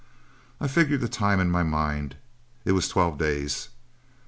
"I figured the time in my mind; it was twelve days.